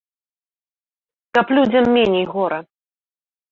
Каб людзям меней гора!